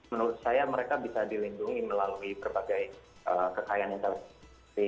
menurut saya mereka bisa dilindungi melalui berbagai kekayaan intelektual